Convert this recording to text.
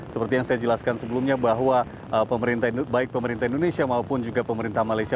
seperti yang saya jelaskan sebelumnya bahwa baik pemerintah indonesia maupun juga pemerintah malaysia